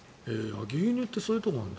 牛乳ってそういうところもあるんだ。